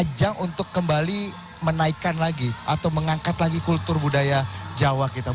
ajang untuk kembali menaikkan lagi atau mengangkat lagi kultur budaya jawa kita